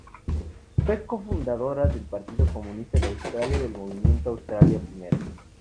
Fue cofundadora del Partido Comunista de Australia y del Movimiento Australia Primero.